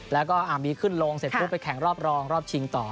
แล้วก็อาร์มบีครึ่งลงลุกไปแข่งรอบรองรอบชิงต่อ